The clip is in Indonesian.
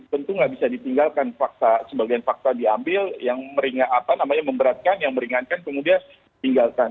tentu tidak bisa ditinggalkan fakta sebagian fakta diambil yang meringat apa namanya memberatkan yang meringankan kemudian tinggalkan